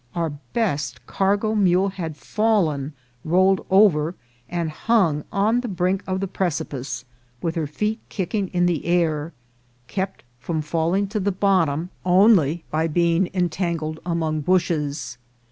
Our best cargo mule had fallen, rolled over, and hung on the brink of the precipice, with her feet kicking in the air, kept from falling to the bottom only by being VOL. II.— F F 226 INCIDENTS OF TRAVEL. entangled among bushes.